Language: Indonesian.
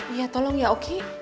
iya tolong ya oke